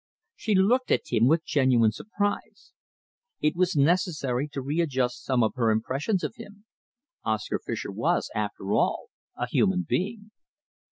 She looked at him with genuine surprise. It was necessary to readjust some of her impressions of him. Oscar Fischer was, after all, a human being.